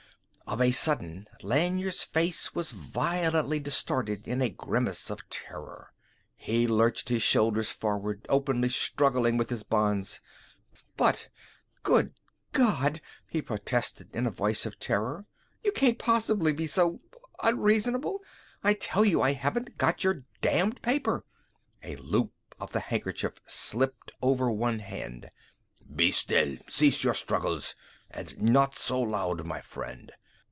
Of a sudden Lanyard's face was violently distorted in a grimace of terror. He lurched his shoulders forward, openly struggling with his bonds. "But good God!" he protested in a voice of terror, "you can't possibly be so unreasonable! I tell you, I haven't got your damned paper!" A loop of the handkerchief slipped over one hand. "Be still! Cease your struggles. And not so loud, my friend!"